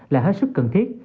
là hết sức cần thiết